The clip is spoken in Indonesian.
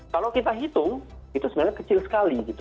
kalau kita hitung itu sebenarnya kecil sekali gitu